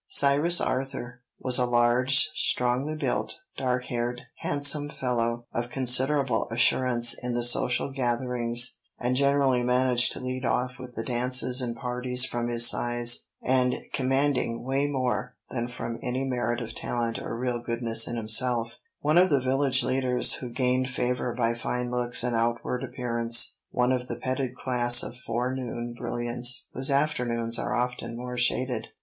Cyrus Arthur was a large, strongly built, dark haired, handsome fellow, of considerable assurance in the social gatherings, and generally managed to lead off with the dances and parties from his size and commanding way more than from any merit of talent or real goodness in himself; one of the village leaders who gained favor by fine looks and outward appearance; one of the petted class of forenoon brilliants whose afternoons are often more shaded.